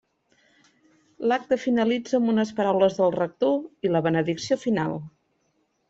L'acte finalitza amb unes paraules del rector i la benedicció final.